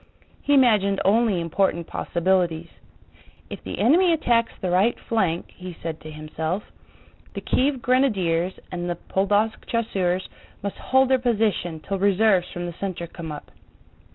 He imagined only important possibilities: "If the enemy attacks the right flank," he said to himself, "the Kiev grenadiers and the Podólsk chasseurs must hold their position till reserves from the center come up.